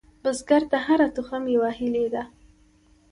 بزګر ته هره تخم یوه هیلې ده